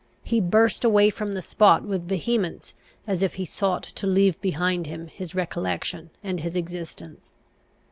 He burst away from the spot with vehemence, as if he sought to leave behind him his recollection and his existence.